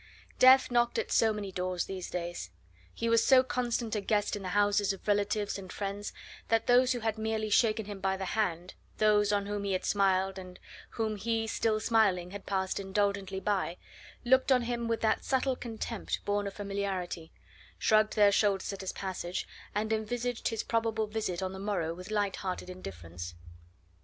Death knocked at so many doors these days! He was so constant a guest in the houses of relatives and friends that those who had merely shaken him by the hand, those on whom he had smiled, and whom he, still smiling, had passed indulgently by, looked on him with that subtle contempt born of familiarity, shrugged their shoulders at his passage, and envisaged his probable visit on the morrow with lighthearted indifference.